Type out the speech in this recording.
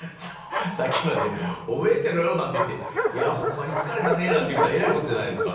さっきまで「覚えてろよ！」なんて言って「いやほんまに疲れたね」なんて言ったらえらい事じゃないですか。